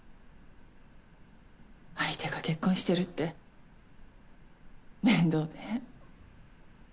相手が結婚してるって面倒ね。